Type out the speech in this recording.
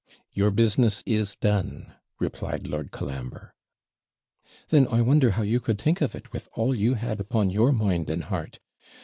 'Your business is done,' replied Lord Colambre. 'Then I wonder how you could think of it, with all you had upon your mind and heart.